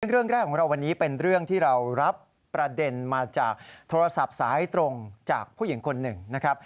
เรื่องแรกของเราวันนี้เป็นเรื่องที่เรารับประเด็นมาจากโทรศัพท์สายตรงจากผู้หญิงคนหนึ่งนะครับ